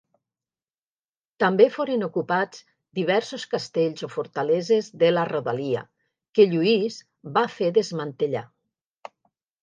També foren ocupats diversos castells o fortaleses de la rodalia que Lluís va fer desmantellar.